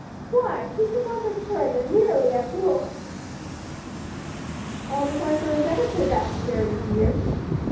Why, he's your father's friend, and nearly as old." "All the wiser and better for that, Carrie, dear.